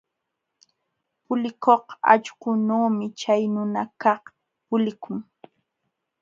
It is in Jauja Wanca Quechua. Pulikuq allqunuumi chay nunakaq pulikun.